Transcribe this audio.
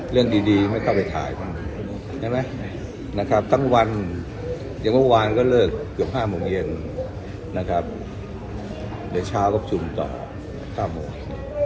เรื่องดีไม่เข้าไปถ่ายบ้างใช่ไหมนะครับทั้งวันอย่างเมื่อวานก็เลิกเกือบ๕โมงเย็นนะครับเดี๋ยวเช้าก็ประชุมต่อ๙โมง